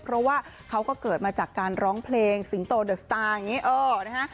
เพราะว่าเขาก็เกิดมาจากการร้องเพลงสิงโตเดอะสตาร์อย่างนี้เออนะฮะ